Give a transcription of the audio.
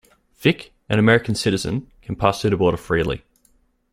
Vic, an American citizen, can pass through the border freely.